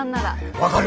分かる。